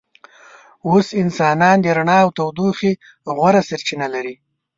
اوس انسانان د رڼا او تودوخې غوره سرچینه لري.